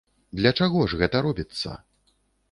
Для чаго ж гэта робіцца?